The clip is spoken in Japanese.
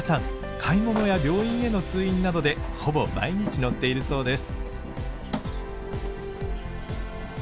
買い物や病院への通院などでほぼ毎日乗っているそうです。